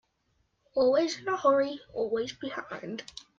Always in a hurry, always behind.